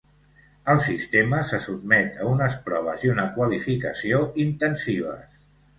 El sistema se sotmet a unes proves i una qualificació intensives.